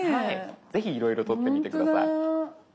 是非いろいろ撮ってみて下さい。